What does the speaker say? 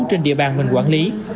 trên địa bàn mình quản lý